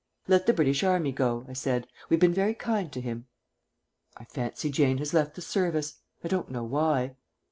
"Let the British Army go," I said. "We've been very kind to him." "I fancy Jane has left the service. I don't know why."